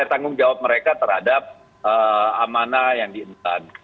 tanggung jawab mereka terhadap amanah yang diemban